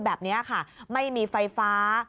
แบบนี้ค่ะไม่มีไฟฟ้า